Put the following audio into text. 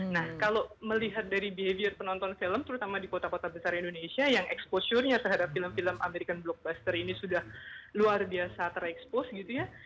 nah kalau melihat dari behavior penonton film terutama di kota kota besar indonesia yang exposure nya terhadap film film american blockbuster ini sudah luar biasa terekspos gitu ya